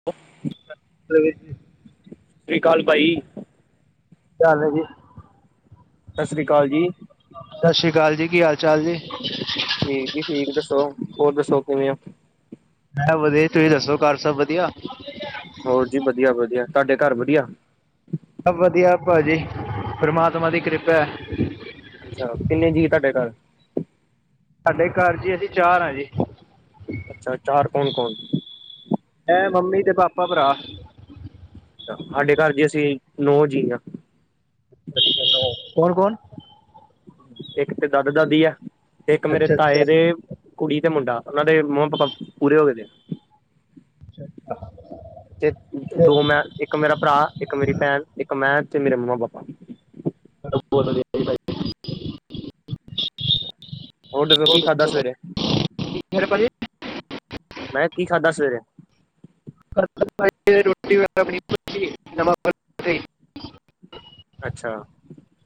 ਹ [unintelligible] ਕੀ ਅਕਾਲ ਭਾਈ। ਹਾਲ ਹੈ ਜੀ। ਸਤਿ ਸ੍ਰੀ ਅਕਾਲ ਜੀ। ਸਤਿ ਸ੍ਰੀ ਅਕਾਲ ਜੀ ਕੀ ਹਾਲ ਚਾਲ ਜੀ? ਠੀਕ ਜੀ, ਠੀਕ ਦੱਸੋ ਹੋਰ ਦੱਸੋ ਕਿਵੇਂ ਆ? ਮੈਂ ਵਧੀਆ, ਤੁਸੀਂ ਦੱਸੋ ਘਰ ਸਭ ਵਧੀਆ? ਹੋਰ ਜੀ ਵਧੀਆ- ਵਧੀਆ ਤੁਹਾਡੇ ਘਰ ਵਧੀਆ। ਸਭ ਵਧੀਆ ਭਾਜੀ, ਪਰਮਾਤਮਾ ਦੀ ਕਿਰਪਾ ਏ। ਚਲੋ ਕਿੰਨੇ ਜੀ ਤੁਹਾਡੇ ਘਰ। ਸਾਡੇ ਘਰ ਦੀ, ਅਸੀਂ ਚਾਰ ਹਾਂ ਜੀ। ਅੱਛਾ, ਅ ਚਾਾਰ ਕੌਣ- ਕੌਣ? ਇਹ ਮੰਮੀ ਤੇ ਪਾਪਾ, ਭਰਾ। ਸਾਡੇ ਘਰ ਜੀ ਅਸੀਂ ਨੌ ਜੀ ਹਾਂ। ਅੱਛਾ ਨੋ ਕੌਣ- ਕੌਣ? ਇੱਕ ਤੇ ਦਾਦਾ- ਦਾਦੀ ਆ। ਇੱਕ ਮੇਰੇ ਅੱਛਾ ਤਾਏ ਅੱਛਾ ਦੇ ਕੁੜੀ ਤੇ ਮੁੰਡਾ, ਉਹ ਦੇ ਮੰਮਾ- ਪਾਪਾ ਪੂਰੇ ਹੋ ਗਏ ਨੇ। ਅੱਛਾ। ਤੇ ਦੋ ਮੈਂ, ਇੱਕ ਮੇਰਾ ਭਰਾ, ਇੱਕ ਮੇਰੀ ਭੈਣ ਇੱਕ ਮੈਂ ਤੇ ਮੇਰੇ ਮੰਮਾ- ਪਾਪਾ। ਬਹੁ ਪ [unintelligible] ਹੋਰ ਦੱਸੋ ਕੀ ਖਾਧਾ ਸਵੇਰੇ? ਕੀ ਹਾਲ ਹੈ ਪਾਜੀ [unintelligible] ਮੈਂ ਕਿਹਾ, ਕੀ ਖਾਧਾ ਸਵੇਰੇ? [unintelligible] ਅੱਛਾ।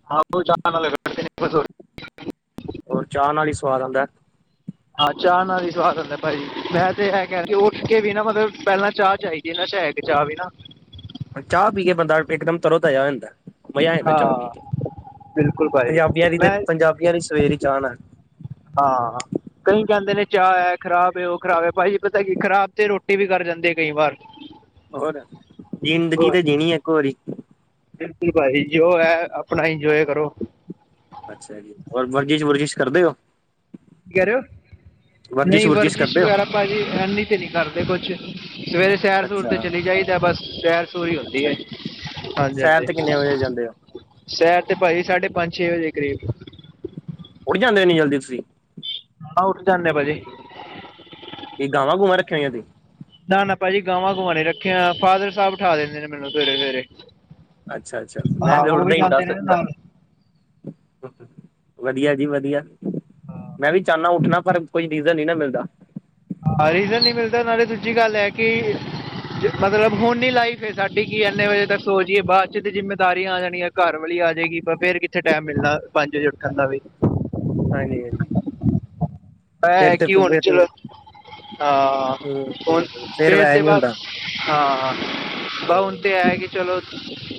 [unintelligible] ਹੋਰ, ਚਾਹ ਨਾਲ ਹੀ ਸਵਾਦ ਆਉਂਦਾ। ਹਾਂ, ਚਾਹ ਨਾਲ ਹੀ ਸਵਾਦ ਹੁੰਦਾ ਭਾਜੀ। ਮੈਂ ਤੇ ਇਹ ਕਹਿਣਾ, ਉੱਠ ਕੇ ਵੀ ਨਾ ਮਤਲਬ ਪਹਿਲਾਂ ਚਾਹ ਚਾਹੀਦੀ। ਇਹ ਨਸਾ਼ ਹੈ। ਇਕ ਚਾਹ ਵੀ ਨਾ ਚਾਹ ਪੀ ਕੇ ਬੰਦਾ, ਇੱਕਦਮ ਤਰੋ ਤਾਜਾ ਹੋ ਜਾਂਦਾ। ਮਜ਼ਾ ਆ ਜਾਂਦਾ ਚਾਹ ਹਾਂ ਪੀਕੇ। ਬਿਲਕੁਲ ਭਾਜੀ ਪੰਜਾਬੀਆਂ ਦੀ ਤੇ ਮੈਂ ਪੰਜਾਬੀਆਂ ਲਈ ਸਵੇਰ ਹੀ ਚਾਹ ਨਾਲ ਹਾਂ ਕਈ ਕਹਿੰਦੇ ਨੇ ਚਾਹ ਹੈ ਖਰਾਬ ਹੈ, ਉਹ ਖਰਾਬ ਹੈ, ਭਾਜੀ ਪਤਾ ਕੀ ਖ਼ਰਾਬ ਤੇ ਰੋਟੀ ਵੀ, ਕਰ ਜਾਂਦੇ ਆ ਕਈ ਵਾਰ। ਹੋਰ, ਜਿੰਦਗੀ ਹੋਰ ਤਾਂ ਜਿਣੀ ਇੱਕ ਵਾਰੀ। ਬਿਲਕੁਲ ਭਾਜੀ, ਜੋ ਹੈ ਆਪਣਾ ਇੰਜੋਏ ਕਰੋ। ਅੱਛਾ ਜੀ, ਓਰ ਵਰਜਿਸ਼- ਵੁਰਜਿਸ਼ ਕਰਦੇ ਹੋ। ਕਿ ਕਹਿ ਰਹੇ ਹੋ। ਨਹੀਂ ਵੁਰਜਿਸ਼ ਵਰਜਿਸ਼ ਕਰਦੇ ਹੋ ਵਗੈਰਾ ਭਾਜੀ, ਐਨੀ ਤੇ ਨਹੀਂ ਕਦੀ ਕਰਦੇ ਕੁਛ। ਸਵੇਰੇ ਸੈਰ- ਸੂਰ ਤੇ ਅੱਛਾ ਚਲੀ ਜਾਈਦਾ ਬਸ। ਸੈਰ ਸੂਰ ਹੀ ਹੁੰਦੀ ਅੱਛਾ ਹੈ, ਜੀ ਹਾਂਜੀ- ਸੈਰ ਹਾਂਜੀ। ਤੇ ਕਿੰਨੇ ਵਜੇ ਜਾਂਦੇ ਹੋ ਸ਼ੈਰ ਤੇ ਭਾਈ ਸਾਢੇ ਪੰਜ, ਛੇ ਵਜੇ ਕਰੀਬ। ਉੱਠ ਜਾਂਦੇ ਹੋ ਏਨੀ ਜਲਦੀ ਤੁਸੀਂ? ਹਾਂ, ਉਰ ਜਾਂਦੇ ਆ ਭਾਜੀ। ਕਿ ਗਾਵਾਂ- ਗੂਵਾਂ ਰੱਖਣੀਆਂ ਹੋਈਆਂ ਤੁਸੀ। ਨਾ- ਨਾ ਭਾਜੀ ਗਾਵਾਂ- ਗੁਵਾ ਨੀ ਰੱਖੀਆਂ। ਫਾਦਰ ਸਾਹਿਬ ਉਠਾ ਦਿੰਦੇ ਨੇ ਮੈਨੂੰ ਸਵੇਰੇ-ਸਵੇਰੇ। ਅੱਛਾ-ਅੱਛਾ, ਮੈਂ ਤੇ ਉਠਦਾ ਹੀ ਦੱਸ ਨਾਲ ਦਿਤਾ ਵਧੀਆ ਜੀ ਵਧੀਆ, ਹਾਂ ਮੈਂ ਵੀ ਚਾਹਨਾ ਉੱਠਣਾ ਪਰ ਕੋਈ ਰੀਜ਼ਨ ਨੀ ਨਾ ਮਿਲਦਾ। ਹਾਂ, ਰੀਜ਼ਨ ਨੀ ਮਿਲਦਾ ਨਾਲੇ ਦੂਜੀ ਗੱਲ ਹੈ ਕਿ। ਮਤਲਬ ਹੁਣ ਹੀ ਲਾਈਫ ਏ ਸਾਡੀ। ਕਿ ਇੰਨੇ ਵਜੇ ਤੱਕ ਸੋ ਜਾਈਏ। ਬਾਅਦ ਚ ਤੇ ਜਿੰਮੇਦਾਰੀਆਂ ਆ ਜਾਣੀਆਂ। ਘਰ ਵਾਲੀ ਆ ਜਾਏਗੀ। ਪਰ ਫੇਰ ਕਿੱਥੇ ਟਾਈਮ ਮਿਲਣਾ ਪੰਜ ਵਜੇ ਉੱਠਣ ਦਾ ਵੀ। ਹਾਂ, ਠੀਕ ਹੈ ਜੀ। ਏ ਹੈਂ ਕੀ ਹੋਣ ਚਲੋ। ਹਾਂ ਹੁਣ ਫਿਰ ਫੇਰ ਵੈਸੇ ਤੇ ਨੀ ਬਸ ਹੁੰਦਾ ਹਾਂ ਬਵੁਨ ਤੇ ਹੈ ਕਿ ਚਲੋ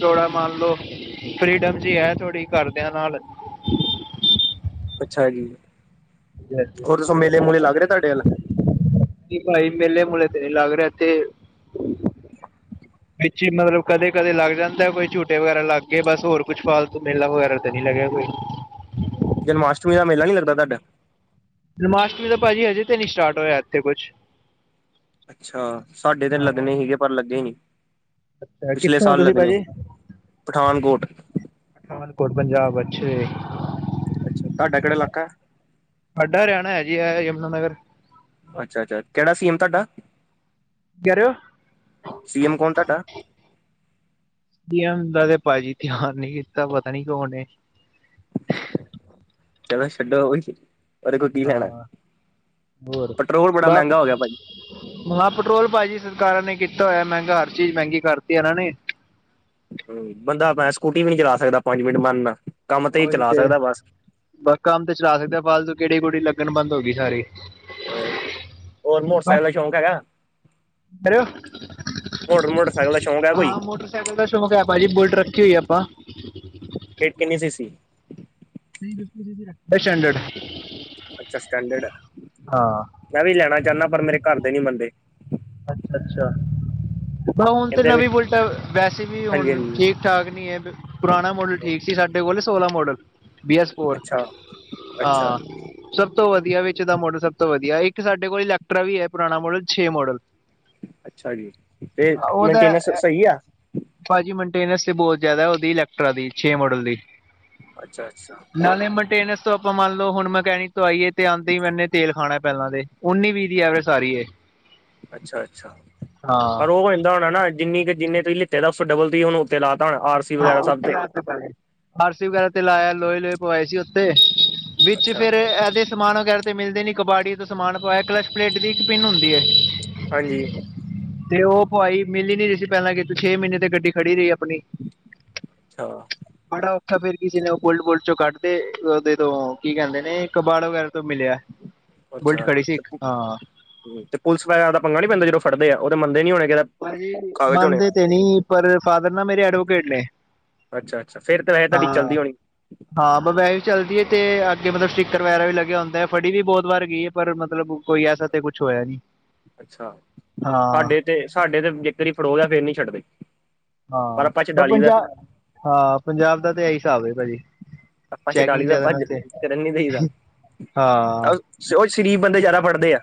ਥੋੜਾ ਮੰਨ ਲੋੋ ਫਰੀਡਮ ਜਿ ਹੈ ਥੋੜੀ ਘਰਦਿਆਂ ਨਾਲ ਅੱਛਾ ਜੀ ਹੋਰ ਦੱਸੋ ਮੇਲੇ ਮੂਲੇ ਲੱਗ ਰਹੇ ਤੁਹਾਡੇ ਵੱਲ ਨ ਬਾਈ ਮੇਲੇ ਮੁਲੇ ਤੇ ਨਹੀ ਲਗਰੇ ਔਥੇ [inaudible] ਵਿਚ ਮਤਲਬ ਕਦੇ -ਕਦੇ ਲੱਗ ਜਾਂਦਾ ਕੋਈ ਝੂਟੇ ਵਗੈਰਾ ਲੱਗ ਗਏ ਬਸ ਹੋਰ ਕੁੱਛ ਫਾਲ ਮੇਲਾ ਵਗੈਰਾ ਤਾਂ ਨਹੀਂ ਲਗਿਆ ਕੋਈ ਜਨਮਸ਼ਟਮੀ ਦਾ ਮੇਲਾ ਨਹੀ ਲੱਗਦਾ ਤੁਹਾਡਾ ਜਨਮਸ਼ਟਮੀ ਦਾ ਭਾਜੀ ਹਜੇ ਤੇ ਨ ਨਹੀਂ ਸਟਾਰਟ ਹੋਇਆ ਇੱਥੇ ਕੁਛ ਅੱਛਾ ਸਾਡੇ ਤੇ ਹਾਂ ਲੱਗਣੇ ਸੀਗੇ ਪਰ ਲੱਗੇ ਨਹੀਂ ਅੱਛਾ ਕਿੱਥੋਂ ਹੋ ਤੁਸੀਂ ਭਾਜੀ ਪਠਾਨਕੋਟ ਪਠਾਨਕੋਟ ਪੰਜਾਬ ਅੱਛੇ ਅੱਛਾ ਤੁਹਾਡਾ ਕਿਹੜਾ ਇਲਾਕਾ ਸਾਡਾ ਹਰਿਆਣਾ ਹੈ ਜੀ ਆ ਯਮੁਨਾ ਨਗਰ ਅੱਛਾ -ਅੱਛਾ ਕਿਹੜਾ ਸੀ ਐਮ ਤੁਹਾਡਾ ਕੀ ਕਹਿ ਰਹੇ ਹੋ ਸੀ ਐਮ ਕੋਣ ਤੁਹਾਡਾ ਸੀ ਔਮ ਦਾ ਤੇ ਭਾਜੀ ਧਿਆਨ ਨੀ ਕੀਤਾ ਪਤਾ ਨੀ ਕੌਨ ਏ ਚਲੋ ਛੱਡੋ ਉਹ ਵੀ। ਉਹਦੇਖੋ ਕੀ ਲੈਣਾ ਹਾਂ ਪੈਟਰੋਲ ਬੜਾ ਮਹਿੰਗਾ ਹੋ ਗਿਆ ਭਾਜੀ। ਹਾਂ ਪੈਟਰੋਲ ਭਾਜੀ ਸਰਕਾਰਾਂ ਨੇ ਕੀਤਾ ਹੋਇਆ ਮਹਿੰਗਾ ਹਰ ਚੀਜ਼ ਮਹਿੰਗੀ ਕਰਤੀ ਇਹਨਾਂ ਨੇ। ਹੂੰ ਬੰਦਾ ਭੈਂ ਸਕੂਟੀ ਵੀ ਨਹੀਂ ਚਲਾ ਸਕਦਾ ਪੰਜ ਮਿੰਟ ਮੰਨ ਲਾ ਕੰਮ ਤੇ ਚਲਾ ਸਕਦਾ ਬਸ। ਬਸ ਕੰਮ ਤੇ ਚਲਾ ਸਕਦੇ ਹਾਂ। ਫਾਲਤੂ ਗੇੜੀ ਗੁੜੀ ਲੱਗਣੀ ਬੰਦ ਹੋ ਗਈ ਸਾਰੀ। ਹੋਰ ਹੋਰ ਮੋਟਰਸਾਈਕਲ ਦਾ ਸ਼ੌਂਕ ਹੈਗਾ। ਬਰੋ। ਮੋਟਰ ਮੋਟਰਸਾਈਕਲ ਦਾ ਸ਼ੌਂਕ ਹੈ ਕੋਈ। ਮੋਟਰਸਾਈਕਲ ਦਾ ਸ਼ੌਕ ਹੈ। ਭਾਜੀ ਬੁਲਟ ਰੱਖੀ ਹੋਈ ਆ ਆਪਾਂ। ਗੇਟ ਕਿੰਨੀ ਸੀ ਸੀ। ਸਟੈਂਡਡ। ਅੱਛਾ ਸਟੈਂਡਰਡ ਮੈਂ ਵੀ ਲੈਣਾ ਚਾਹੁੰਦਾ ਪਰ ਮੇਰੇ ਘਰ ਦੇ ਨੀ ਮੰਨਦੇ। ਅੱਛਾ ਅੱਛਾ ਬਸ ਹੁਣ ਤੇ ਕਹਿੰਦੇ ਵੀ ਨਵੀਂ ਬੁਲਟ ਆ ਵੈਸੇ ਵੀ ਹਾਂਜੀ ਹੁਣ ਠੀਕ। ਠਾਕ ਨੀ ਹੈ ਪੁਰਾਣਾ ਮੋਡਲ ਹਾਂਜੀ ਠੀਕ ਸੀ ਸਾਡੇ ਕੋਲ ਸੋਲਾਂ ਮੋਡਲ। ਬੀ ਐੱਸ ਫੋਰ ਅੱਛਾ, ਅੱਛਾ। ਹਾਂ। ਸਭ ਤੋਂ ਵਧੀਆ ਵਿੱਚ ਦਾ ਮਾਡਲ ਸਭ ਤੋਂ ਵਧੀਆ ਇੱਕ ਸਾਡੇ ਕੋਲ ਇਲੈਕਟਰਾ ਵੀ ਹੈ ਪੁਰਾਣਾ ਮੋਡਲ ਛੇ ਮਾਡਲ। ਅੱਛਾ ਜੀ ਤੇ ਉਹਦਾ ਮੇਨਟੇਨੈਂਸ ਅਹ, ਸਹੀ ਆ। ਭਾਜੀ ਮੇਨਟੇਨੈਂਸ ਤੇ ਬਹੁਤ ਜ਼ਿਆਦਾ ਉਹਦੀ ਇਲੈਕਟ੍ਰਰਾ ਦੀ ਛੇ ਮੋਡਲ ਦੀ। ਅੱਛਾ ਅੱਛਾ। ਨਾਲੇ ਮੇਨਟੇਨੈਂਸ ਤੋਂ ਆਪਾਂ ਮੰਨ ਲਓ ਹੁਣ ਮਕੈਨਿਕ ਤੋਂ ਆਈਏ ਤੇ ਆਂ ਹੀ ਮੈਨੇ ਤੇਲ ਖਾਣਾ ਪਹਿਲਾਂ ਦੇ ਉੱਨੀ ਵੀਹ ਦੀ ਐਵਰੇਜ ਸਾਰੀ ਏ ਅੱਛਾ -ਅੱਛਾ ਪਰ ਹਾਂ ਉਹ ਕਹਿੰਦਾ ਹੋਣਾ ਨਾ ਜਿੰਨੀ ਕੁ ਜਿੰਨੇ ਤੁਸੀ ਲਿੱਤੇ ਤਾਂ ਉਸੋ ਡਬਲ ਤੁਸੀਂ ਹੁਣ ਉੱਤੇ ਲਾ ਸੀ ਵਗੈਰਾ ਸਭ ਤੇ। ਆਰ ਸੀ ਵਗੈਰਾ ਤੇ ਲਾਇਆ ਲੋਹੇ- ਲੋਹੇ ਪਏ ਸੀ ਉੱਥੇ ਵਿੱਚ ਅੱਛਾ। ਫੇਿਰ ਇਹਦੇ ਸਮਾਨ ਵਗੈਰਾ ਤੇ ਮਿਲਦੇ ਨੀ ਕਬਾੜੀਆਂ ਤੋਂ ਸਮਾਨ ਪਾਇਆ ਕਲਚ ਪਲੇਟ ਦੀ ਇੱਕ ਪਿੰਨ ਹੁੰਦੀ ਹੈ। ਹਾਂਜੀ। ਤੇ ਉਹ ਪਵਾਈ ਮਿਲੀ ਨੀ ਰਹੀ ਸੀ ਪਹਿਲਾਂ ਕਿਤੇ ਛੇ ਮਹੀਨੇ ਤੇ ਗੱਡੀ ਖੜੀ ਰਹੀ ਆਪਣੀ। ਅੱਛਾ। ਬੜਾ ਔਖਾ ਫੇਰ ਕਿਸੇ ਨੇ ਉਹ ਬੁਲਟ ਬੁੱਲਟ ਚੋਂ ਕੱਢਤੇ ਉਹਦੇ ਤੋਂ ਕੀ ਕਹਿੰਦੇ ਨੇ ਕਬਾੜ ਵਗੈਰਾ ਤੋਂ ਮਿਲਿਆ। ਹੂੰ। ਬੁਲਟ ਅੱਛਾ ਖੜੀ ਸੀ ਇੱਕ ਹਾਂ ਹੂੰ ਤੇ ਪੁਲਿਸ ਵਗੈਰਾ ਦਾ ਪੰਗਾ ਨੀ ਪੈਂਦਾ ਜਦੋਂ ਫੜਦੇ ਆ ਉਹ ਤੇ ਮੰਨਦੇ ਨੀ ਹੋਣੇ ਕਹਿੰਦੇ। ਮੰਨਦੇ ਤੇ ਨੀ ਪਰ ਪਾ ਦਿੰਨਾ ਮੇਰੇ ਐਡਵੋਕੇਟ ਨੇ। ਅੱਛਾ ਅੱਛਾ ਫਿਰ ਤਾਂ ਇਹ ਤੁਹਾਡੀ ਹਾਂ ਚੱਲਦੀ ਹੋਣੀ। ਹਾਂ ਮੋਬਾਇਲ ਚੱਲਦੀ ਹੈ ਤੇ ਅੱਗੇ ਮਤਲਬ ਸਟਿੱਕਰ ਵਗੈਰਾ ਵੀ ਲੱਗਿਆ ਹੁੰਦਾ ਹੈ ਫੜੀ ਵੀ ਬਹੁਤ ਵਾਰ ਗਈ ਹੈ ਪਰ ਮਤਲਬ। ਕੋਈ ਐਸਾ ਤੇ ਕੁਛ ਹੋਇਆ ਨੀ। ਅੱਛਾ ਸਾਡੇ ਤੇ ਸਾਡੇ ਤੇ ਜੇਕਰ ਫੜੋ ਗਿਆ ਫਿਰ ਨੀ ਛੱਡਦੇ। ਪਰ ਆਪਾਂ ਹਾਂ ਛਡਾਲੀ ਦਾ, ਪੰਜਾਬ ਹਾਂ ਪੰਜਾਬ ਦਾ ਤੇ ਇਹੀ ਹਿਸਾਬ ਹੈ ਭਾਜੀ। ਆਪਾਂ ਛੜਾ ਲਈ ਚੈਕਿੰਗ ਦਾ ਜ਼ਿਆਦਾ ਨਾ ਭੱਜ ਤੇ ਫਿਰ ਨਹੀਂ ਦੇਈ ਦਾ। ਹਾਂ ਉਹ ਸ਼ਰੀਫ ਬੰਦੇ ਜ਼ਿਆਦਾ ਫੜਦੇ ਆ।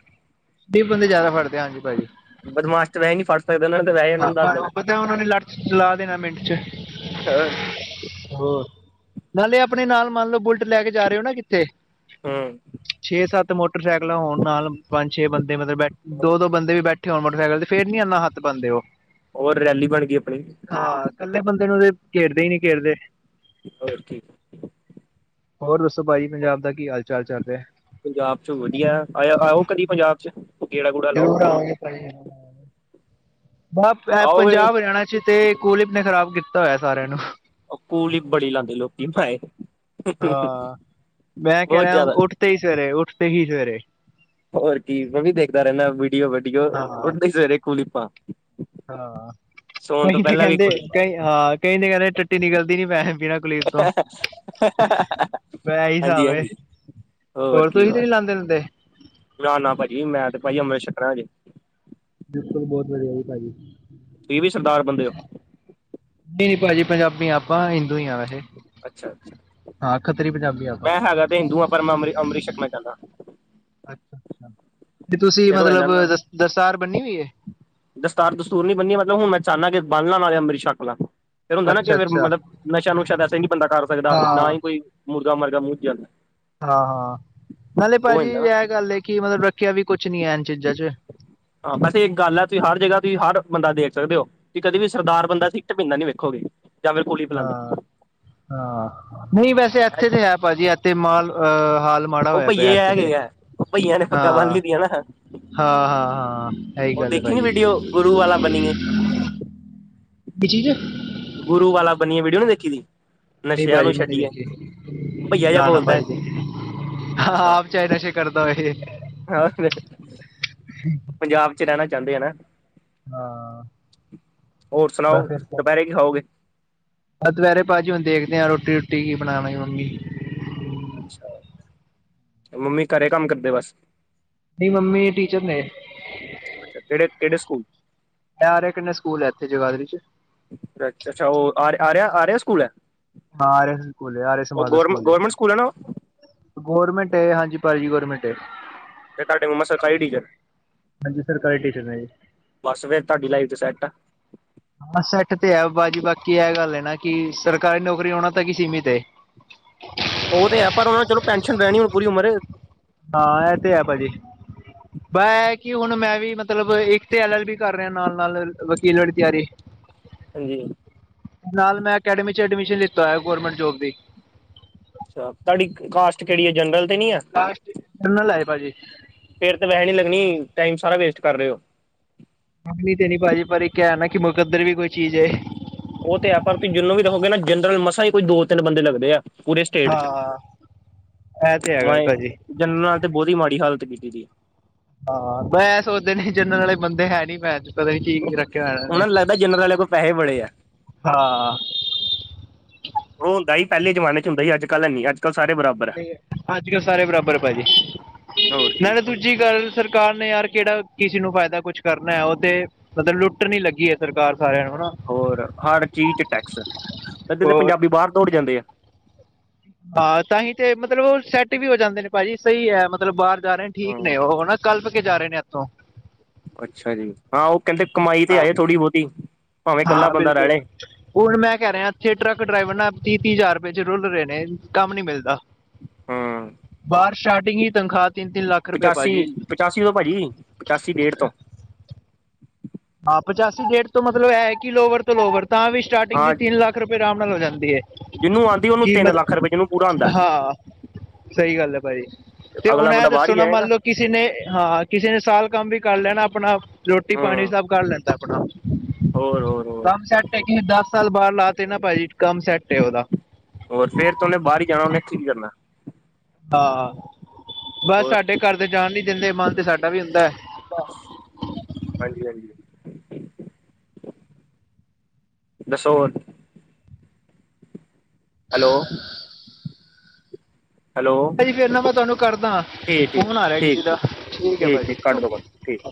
ਫਿਰ ਬੰਦੇ ਜ਼ਿਆਦਾ ਫੜਦੇ ਆ ਹਾਂਜੀ ਭਾਜੀ ਬਦਮਾਸ਼ਤ ਨੂੰ ਇਹ ਹੈ ਨੀ ਫੜ। [unintelligible] ਹਾਂ ਦੇਣਾ ਉਹ ਪਤਾ ਉਹਨਾ ਨੇ ਲੜ 'ਚਲਾ ਦੇਣਾ ਮਿੰਟ 'ਚ। ਹੋਰ ਹਾਂ ਨਾਲੇ ਆਪਣੇ ਨਾਲ ਮੰਨ ਲਓ ਬੁਲਟ ਲੈ ਕੇ ਜਾ ਰਹੇ ਹੋ ਨਾ ਕਿੱਤੇ। ਹੂ,,, ਛੇ ਸੱਤ ਮੋਟਰਸਾਈਕਲਾਂ ਹੋਣ ਨਾਲ ਪੰਜ ਛੇ ਬੰਦੇ ਮਤਲਬ ਬੈਠੇ। ਦੋ ਦੋ ਬੰਦੇ ਵੀ ਬੈਠੇ ਹੋਣ ਮੋਟਰਸਾਈਕਲ ਤੇ ਫਿਰ ਨੀ ਇੰਨਾ ਹੱਥ ਪਾਂਦੇ ਉਹ। ਹੋਰ ਰੈਲੀ ਬਣ ਗਈ ਆਪਣੀ। ਹਾਂ ਇਕੱਲੇ ਬੰਦੇ ਨੂੰ ਤੇ ਘੇਰਦੇ ਹੀ ਨਹੀਂ ਘੇਰਦੇ। ਹੋਰ ਕੀ। ਹੋਰ ਦੱਸੋ ਭਾਜੀ ਪੰਜਾਬ ਦਾ ਕੀ ਹਾਲ ਚਾਲ ਚੱਲ ਰਿਹਾ ਹੈ। ਪੰਜਾਬ ਚ ਵਧੀਆ ਆ ਆਓ ਕਦੀ ਪੰਜਾਬ ਚ ਗੇੜਾ ਗੂੜਾ ਲਾਓ ਜ਼ਰੂਰ ਆਣਗੇ ਭਾਜੀ ਆਓਗੇ ਪੰਜਾਬ ਹਰਿਆਣਾ ਚ ਤੇ ਕੋਲਿਪ ਨੇ ਖਰਾਬ ਕੀਤਾ ਹੋਇਆ ਸਾਰਿਆਂ ਨੂੰ ਉਹ ਕੁਲੀਪ ਬੜੀ ਲਾਉਂਦੇ ਲੋਕੀ ਮਾਏ ਹਾਂ ਮੈਂ ਕਹਿ ਬਹੁਤ ਰਿਹਾ ਜ਼ਿਆਦਾ ਉੱਠ ਤੇ ਹੀ ਸਵੇਰੇ ਉੱਠ ਤੇ ਹੀ ਸਵੇਰੇ ਹੋਰ ਕੀ ਮੈਂ ਵੀ ਦੇਖਦਾ ਰਹਿੰਦਾ ਵੀਡੀਓ ਵਡੀਓ ਹਾਂ ਤੁਹਾਡੇ ਸਵੇਰੇ ਕੁਲੀਪਾ ਹਾਂ ਕਈ ਤੇ ਪਹਿਲਾਂ ਵੀ ਕਹਿੰਦੇ ਕੁਲੀਪਾਂ ਕਈ ਹਾਂ ਕਈ ਤੇ ਕਹਿੰਦੇ ਟੱਟੀ ਨਿਕਲਦੀ ਨੀ ਪੈ ਬਿਨਾਂ ਕੁਲੀਪ ਤੋਂ। ਮੈਂ ਇਹੀ ਹਾਂਜੀ ਹਿਸਾਬ ਹਾਂਜੀ ਏ ਹੋਰ ਤੁਸੀਂ ਤੇ ਨਹੀਂ ਲਾਦੇ ਲੈਂਦੇ ਨ ਨਾ ਭਾਜੀ ਮੈਂ ਤੇ ਭਾਜੀ ਅੰਮ੍ਰਿਤ ਛਕਣਾ ਹਜੇ ਬਿਲਕੁਲ ਬਹੁਤ ਵਧੀਆ ਜੀ ਭਾਜੀ ਤੁਸੀਂ ਵੀ ਸਰਦਾਰ ਬੰਦੇ ਹੋ ਨਹੀਂ ਨੀ ਭਾਜੀ ਪੰਜਾਬੀ ਆਪਾਂ ਹਿੰਦੂ ਹੀ ਵੈਸੇ ਅੱਛਾ ਅੱਛਾ ਹਾਂ ਖੱਤਰੀ ਪੰਜਾਬੀ ਆ ਆਪਾਂ। ਮੈਂ ਹੈਗਾ ਤੇ ਹਿੰਦੂਆਂ ਪਰ ਮੈਂ ਅੰਮ੍ਰਿਤ ਛਕਣਾ ਚਾਹੁੰਦਾ ਅੱਛਾ ਅੱਛਾ ਤੇ ਤੁਸੀਂ ਫਿਰ ਹੋ ਜਾਂਦਾ ਮਤਲਬ ਨਾ ਦਸਤਾਰ ਬੰਨੀ ਹੋਈ ਹੈ। ਦਸਤਾਰ ਦਸੂਰ ਨੀ ਬੰਨੀ ਮਤਲਬ ਹੁਣ ਮੈਂ ਚੁੰਦਾ ਕਿ ਬੰਨ ਨਾਲੇ ਅੰਮ੍ਰਿਤ ਛਕਲਾ ਫਿਰ ਹੁੰਦਾ ਨਾ ਕਿ ਅੱਛਾ ਫਿਰ ਅੱਛਾ ਮਤਲਬ ਨਸ਼ਾ ਨੁਸ਼ਾ ਤਾਂ ਵੈਸੇ ਨੀ ਬੰਦਾ ਕਰ ਸਕਦਾ ਨਾ ਹਾਂ ਹੀ ਕੋਈ ਮੁਰਗਾ ਮਰਗਾ ਮੂੰਹਝ ਜਾਂਦਾ ਹਾਂ ਹਾਂ ਨਾਲੇ ਉਹ ਹੋ ਭਾਜੀ ਜਾਂਦਾ ਨਾ ਇਹ ਗੱਲ ਹੈ ਕਿ ਮਤਲਬ ਰੱਖਿਆ ਵੀ ਕੁਛ ਨੀ ਹੈ ਇਨ ਚੀਜ਼ਾਂ ਚ ਹਾਂ ਵੈਸੇ ਇੱਕ ਗੱਲ ਹੈ। ਤੁਸੀਂ ਹਰ ਜਗ੍ਹਾ ਤੁਸੀਂ ਹਰ ਬੰਦਾ ਦੇਖ ਸਕਦੇ ਹੋ ਕਿ ਕਦੇ ਵੀ ਸਰਦਾਰ ਬੰਦਾ ਸੀ। ਤੇ ਪੀਂਦਾ ਨੀ ਵੇਖੋਗੇ। ਜਾਂ ਫਿਰ ਗੋਲੀ ਪਿਲਾਂਦਾ। ਹਾਂ ਹਾਂ ਨਹੀਂ ਵੈਸੇ ਇੱਥੇ ਤਾਂ ਹੈ ਭਾਜੀ ਇੱਥੇ ਮਾਲ ਅਹ ਹਾਲ। ਮਾੜਾ ਉਹ ਹੋਇਆ ਪਿਆ ਭਈਏ ਇੱਥੇ ਤੇ ਹੈਗਾ ਆ ਉਹ ਭਈਆਂ ਨੇ ਹਾਂ ਪੱਗਾਂ ਬੰਨ ਲਈ ਦੀਆਂ ਨਾ। ਹਾਂ ਹਾਂ ਹਾਂ ਇਹੀ ਉਹ ਗੱਲ ਹੈ ਦੇਖੀ ਨੀ ਭਾਜੀ। ਵੀਡੀਓ ਗੁਰੂ ਵਾਲਾ ਬਣੀਏ [inaudible] ਬੀਜੀ ਜਾਓ ਗੁਰੂ ਵਾਲਾ ਬਣੀਏ ਵੀਡੀਓ ਨੂੰ ਦੇਖੀ ਦੀ ਨਹੀਂ ਨਸ਼ਿਆਂ ਭਾਜੀ ਨੂੰ ਮੈਂ ਨਹੀਂ ਛੱਡੀਏ ਦੇਖੀ ਭਈਆ ਜਿਹਾ ਨਾ ਨਾ ਬੋਲਦਾ ਭਾਜੀ ਇੱਕ ਦੇਖੀ ਹਾਂ ਅੱਛਾ। ਆਪ ਚਾਹਸ਼ੇ ਕਰਦਾ ਇਹ ਪੰਜਾਬ ਚ ਰਹਿਣਾ ਚਾਹੁੰਦੇ ਆ ਨਾ ਹਾਂ ਹੋਰ ਸੁਣਾਓ ਦੁਪਹਿਰੇ ਕੀ ਖਾਓਗੇ ਆਹ ਦੁਪਰੇ ਭਾਜੀ ਹੁਣ ਦੇਖਦੇ ਰੋਟੀ ਰੋਟੀ ਕੀ ਬਣਾਉਣਾਈ ਮੰਮੀ ਅੱਛਾ ਮੰਮੀ ਘਰੇ ਕੰਮ ਕਰਦੇ ਬਸ ਮੇਰੀ ਮੰਮੀ ਟੀਚਰ ਨੇ। ਅੱਛਾ ਕਿਹੜੇ ਕਿਹੜੇ ਸਕੂਲ ਆਰੀਆ ਕਨੀਆਂ ਸਕੂਲ ਹੈ, ਇੱਥੇ ਜਗਾਦਰੀ 'ਚ। ਅੱਛਾ- ਅੱਛਾ ਉਹ ਆ -ਆ -ਆਰਿਆ ਸਕੂਲ ਹੈ। ਹਾਂ ਆਰੀਆਂ ਸਕੂਲ ਹੈ, ਆਰੀਆਂ ਉਹ ਸਮਾਜ ਦਾ ਗੌਰਮ ਸਕੂਲ ਏ। ਗੌਰਮੈਂਟ ਹੈ ਨਾ ਗੌਰਮੈਂਟ ਹੈ, ਹਾਂਜੀ ਭਾਜੀ ਗੌਰਮੈਂਟ ਹੈ। ਫੇਰ ਤੁਹਾਡੇ ਮੰਮਾ ਸਰਕਾਰੀ ਟੀਚਰ, ਹਾਂਜੀ ਸਰਕਾਰੀ ਟੀਚਰ ਨੇ ਜੀ। ਬਸ ਫਿਰ ਤੁਹਾਡੀ ਲਾਈਫ ਤੇ ਸੈਟ ਆ। ਮੰਮਾ ਸੈਟ ਤੇ ਹੈ ਭਾਜੀ, ਬਾਕੀ ਇਹ ਗੱਲ ਹੈ ਨਾ ਕਿ ਸਰਕਾਰੀ ਨੌਕਰੀ ਓਹਨਾ ਤੱਕ ਹੀ ਸੀਮਿਤ ਏ। ਉਹ ਤੇ ਹੈ, ਪਰ ਉਹ ਚਲੋ ਪੈਨਸ਼ਨ ਰਹਿਣੀ ਪੂਰੀ ਉਮਰ ਹਾਂ, ਇਹ ਤੇ ਹੈ ਭਾਜੀ। ਬ ਇਹ ਕਿ ਹੁਣ ਮੈਂ ਵੀ ਮਤਲਬ ਇੱਕ ਤੇ ਐਲ ਐਲ ਬੀ ਕਰ ਰਿਹਾ ਨਾਲ- ਨਾਲ। ਵਕੀਲ ਵਾਲੀ ਤਿਆਰੀ ਹਾਂਜੀ ਨਾਲ ਮੈਂ ਅਕੈਡਮੀ 'ਚ ਐਡਮਿਸ਼ਨ ਲਿੱਤਾ ਹੋਇਆ ਗੌਰਮੈਂਟ ਜੋਬ ਦੀ। ਅੱਛਾ, ਤੁਹਾਡੀ ਕਾਸਟ ਕਿਹੜੀ ਹੈ? ਜਨਰਲ ਤੇ ਨੀ ਹੈ? ਕਾਸ਼ਟ, ਕਰਨਲ ਹੈ ਭਾਜੀ। ਫੇਰ ਤਾਂ ਵੈਸੇ ਨੀ ਲੱਗਣੀ, ਟਾਈਮ ਸਾਰਾ ਵੇਸਟ ਕਰ ਰਹੇ ਹੋ। ਮਿਲਣੀ ਤੇ ਨੀ ਭਾਜੀ ਪਰ ਇੱਕ ਕਿਹਾ ਹੈ ਨਾ ਕਿ ਮੁਕੱਦਰ ਵੀ ਕੋਈ ਚੀਜ਼ ਹੈ। ਉਹ ਤੇ ਹੈ ਪਰ ਤੁਸੀ ਜਿਨੂੰ ਵੀ ਦੇਖੋਗੇ ਨਾ ਜਨਰਲ ਮਸਾਂ ਹੀ ਕੋਈ ਦੋ -ਤਿੰਨ ਬੰਦੇ ਲੱਗਦੇ ਆ। ਪੂਰੇ ਸਟੇਟ 'ਚ, ਹਾਂ ਇਹ ਤੇ ਹੈਗਾ ਮਾ ਜੀ ਭਾਜੀ। ਜਨਰਲ ਨਾਲ ਤੇ ਬਹੁਤ ਹੀ ਮਾੜੀ ਹਾਲਤ ਕੀਤੀ ਗੀ। ਹਾਂ, ਮੈਂ ਸੋਚਦੇ ਨੇ ਜਨਰਲ ਵਾਲੇ ਬੰਦੇ ਹੈ ਨੀ ਮੈਂ ਅੱ ਪਤਾ ਨੀ ਕਿ -ਕਿ ਰੱਖਿਆ ਹੋਇਆ ਉਹ ਨੇ, ਨੂੰ ਲੱਗਦਾ ਜਨਰਲ ਵਾਲੇ ਕੋਲ ਪੈਸੇ ਬੜੇ ਆ ਹਾਂ। ਉਹ ਹੁੰਦਾ ਸੀ ਪਹਿਲੇ ਜਮਾਨੇ ਚ ਹੁੰਦਾ ਸੀ। ਅੱਜ- ਕੱਲ ਹੈ ਨ ਅੱਜ- ਕੱਲ ਸਾਰੇ ਬਰਾਬਰ ਹੈ ਅੱਜ -ਕੱਲ ਸਾਰੇ ਬਰਾਬਰ ਭਾਜੀ, ਹੋਰ ਕੀ ਨਾਲੇ ਤੂ ਜੀ ਗੱਲ ਸਰਕਾਰ ਨੇ ਯਾਰ ਕਿਹੜਾ ਕਿਸੇ ਨੂੰ ਫਾਇਦਾ ਕੁਛ ਕਰਨਾ ਉਹ ਤੇ ਮਤਲਬ ਲੁੱਟਣ ਹੀ ਲੱਗੀ ਹੈ ਸਰਕਾਰ ਸਾਰਿਆਂ ਨੂੰ, ਹਨਾ। ਹੋਰ ਹਰ ਚੀਜ਼ 'ਚ ਟੈਕਸ, ਅੱਧੇ ਤਾਂ ਹੋਰ ਪੰਜਾਬੀ ਬਾਹਰ ਦੌੜ ਜਾਂਦੇ ਆ। ਹਾਂ, ਤਾਂਹੀ ਤੇ ਮਤਲਬ ਉਹ ਸੈੱਟ ਵੀ ਹੋ ਜਾਂਦੇ ਨੇ ਭਾਜੀ, ਸਹੀ ਹੈ ਮਤਲਬ ਬਾਹਰ ਜਾ ਰਹੇ ਨੇ ਠੀਕ ਹਾਂ ਨੇ, ਉਹ ਨਾ ਕਲਪ ਕੇ ਜਾ ਰਹੇ ਨੇ ਇੱਥੋਂ। ਅੱਛਾ ਜੀ, ਹਾਂ ਉਹ ਕਹਿੰਦੇ ਕਮਾਈ ਤੇ ਹਾਂ ਆਏ ਥੋੜ੍ਹੀ -ਬਹੁਤੀ ਭਾਵੇਂ ਇਕੱਲਾ ਹਾਂ ਬੰਦਾ ਰਹਿ ਬਿਲਕੁਲ ਲੇ। ਹੁਣ ਮੈਂ ਕਹਿ ਰਿਹਾ ਇੱਥੇ ਟਰੱਕ ਡਰਾਈਵਰ ਨਾਲ ਤੀਹ -ਤੀਹ ਹਜ਼ਾਰ ਰੁਪਏ ਚ ਰੁਲ ਰਹੇ ਨੇ, ਕੰਮ ਨੀ ਮਿਲਦਾ। ਹੂੰ ਬਾਹਰ ਸਟਾਰਟਿੰਗ ਹੀ ਤਨਖਾਹ ਤਿੰਨ -ਤਿੰਨ ਲੱਖ ਰੁਪਏ ਪਚਾਸੀ ਭਾਜੀ। ਪਚਾਸੀ ਤੋਂ ਭਾਜੀ, ਪਚਾਸੀ ਡੇਢ ਤੋਂ ਹਾਂ ਪਚਾਸੀ ਡੇਟ ਤੋਂ ਮਤਲਬ ਹੈ ਕਿ ਲੋਵਰ ਤੋਂ ਲੋਵਰ ਤਾਂ ਵੀ ਸਟਾਰਟਿੰਗ ਹਾਂ ਦੀ ਤਿੰਨ ਲੱਖ ਰੁਪਏ ਆਰਾਮ ਨਾਲ ਹੋ ਜਾਂਦੀ ਹੈ। ਜਿਹਨੂੰ ਆਉਂਦੀ ਉਹਨੂੰ ਤਿੰਨ ਕੀਮਤ ਲੱਖ ਰੁਪਏ ਜਿਹਨੂੰ ਪੂਰਾ ਆਉਂਦਾ। ਹਾਂ ਸਹੀ ਗੱਲ ਹੈ ਭਾਜੀ, ਤੇ ਹੁਣ ਅਗਲਾ ਇਹ ਬੰਦਾ ਬਾਹਰ ਦੱਸੋ ਹੀ ਨਾ ਮੰਨ ਜਾਏਗਾ ਲਓ ਕਿਸੇ ਨੇ ਹਾਂ ਕਿਸੇ ਨੇ ਸਾਲ ਕੰਮ ਵੀ ਕਰ ਲੈਣਾ ਆਪਣਾ ਰੋਟੀ- ਪਾਣੀ ਹੂੰ ਸਭ ਕਰ ਲੈਂਦਾ ਆਪਣਾ ਹੋਰ ਹੋਰ ਹੋਰ ਕੰਮ ਸੈੱਟ ਹੈ ਕਿਸੇ ਦਸ ਸਾਲ ਬਾਹਰ ਲਾ ਤੇ ਨਾ ਭਾਜੀ ਕੰਮ ਸੈੱਟ ਉਹਦਾ ਹੋਰ ਫੇਰ ਤੇ ਓਹਨੇ ਬਾਹਰ ਹੀ ਜਾਣਾ ਇਥੇ ਕਿ ਕਰਨਾ। ਹਾਂ, ਬਸ ਹੋਰ ਸਾਡੇ ਘਰ ਦੇ ਜਾਣ ਨੀ ਦਿੰਦੇ ਮਨ ਤੇ ਸਾਡਾ ਵੀ ਹੁੰਦਾ ਹੈ। ਬਸ ਹਾਂਜੀ- ਹਾਂਜੀ, ਦੱਸੋ ਹੋਰ? ਹੈਲੋ! ਹੈਲੋ ਭਾਜੀ ਫੇਰ ਨਾ ਮੈਂ ਤੁਹਾਨੂੰ ਕਰਦਾ, ਠੀਕ ਠੀਕ ਫੋਨ ਆ ਰਿਹਾ ਕਿਸੇ ਠੀਕ ਠੀਕ ਦਾ, ਠੀਕ ਹੈ ਭਾਜੀ ਕੱਢ ਦੋ ਓਕੇ। ਕੱਢ ਠੀਕ